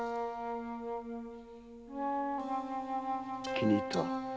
気に入った。